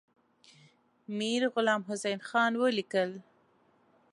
میرغلام حسین خان ولیکل.